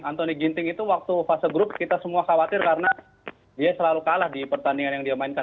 anthony ginting itu waktu fase grup kita semua khawatir karena dia selalu kalah di pertandingan yang dia mainkan